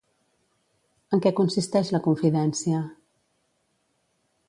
En què consisteix la confidència?